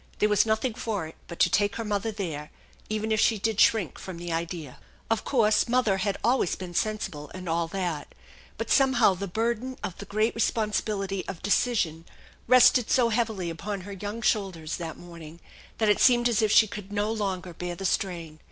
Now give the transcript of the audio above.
There was nothing for it but to take her mother there, even if she did shrink from the idea. Of course mother always had been sensible, and all that; but somehow the burden of the great responsibility of decision rested so heavily upon her young shoulders that morning that it seemed as if she could not longer bear the strain.